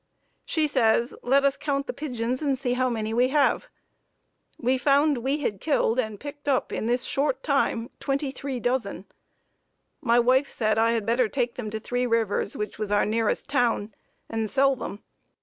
She says, let us count the pigeons and see how many we have. We found we had killed and picked up in this short time twenty three dozen. My wife said I had better take them to Three Rivers, which was our nearest town, and sell them.